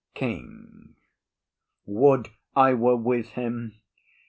KING. Would I were with him!